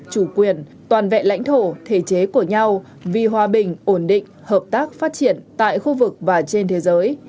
chủ quyền toàn vẹn lãnh thổ thể chế của nhau vì hòa bình ổn định hợp tác phát triển tại khu vực và trên thế giới